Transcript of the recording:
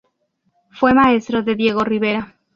Fue maestro de Diego Rivera.